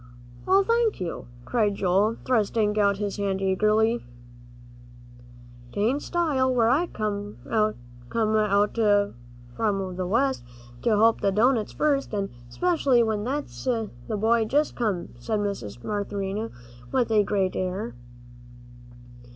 "Oh, thank you," cried Joel, thrusting out his hand eagerly. "'Tain't style, where I come from out West, to help the doughnuts first, an' specially when that boy's just come," said Mrs. Marinthy, with a great air.